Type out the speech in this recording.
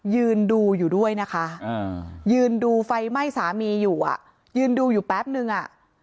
ยืนดูอยู่ด้วยนะคะยืนดูไฟไหม้สามีอยู่อ่ะยืนดูอยู่แป๊บนึงอ่ะ